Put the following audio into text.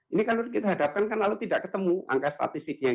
ini kan kita hadapkan kan lalu tidak ketemu angka statistiknya